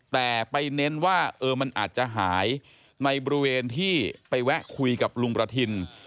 แต่ไปเน้นว่ามันอาจจะหายในบริเวณที่ไปแวะคุยกับลุงประทิน